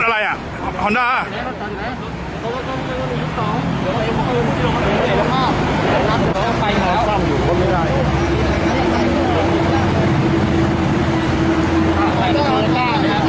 รถอะไรอ่ะฮอร์นด้าอ่ะ